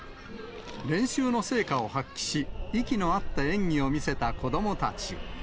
練習の成果を発揮し、息の合った演技を見せた子どもたち。